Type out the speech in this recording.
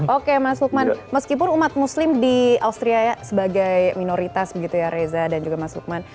oke mas lukman meskipun umat muslim di austria ya sebagai minoritas begitu ya reza dan juga mas lukman